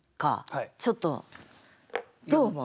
ちょっとどう思う？